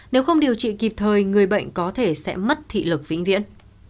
nếu không điều trị kịp thời người bệnh có thể sẽ mất thị lực vĩnh viễn